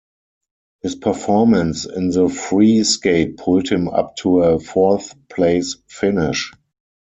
His performance in the free skate pulled him up to a fourth-place finish.